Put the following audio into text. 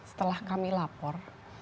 setelah kami lapor